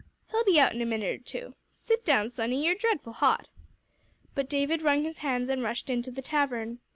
"He'll be out in a minute or two. Sit down, sonny; you're dreadful hot." But David wrung his hands, and rushed into the tavern.